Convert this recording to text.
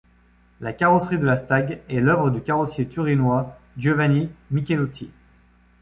La carrosserie de la Stag est l'œuvre du carrossier turinois Giovanni Michelotti.